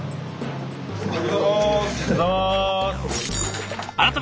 おはようございます。